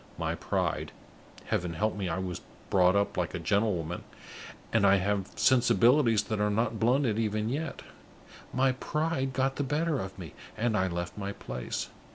My pride (Heaven help me, I was brought up like a gentlewoman, and I have sensibilities that are not blunted even yet!) my pride got the better of me, and I left my place.